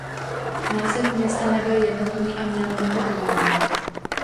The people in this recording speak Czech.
Název města nebyl jednotný a měl mnoho tvarů.